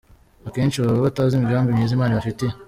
akenshi baba batazi imigambi myiza Imana ibafitiye.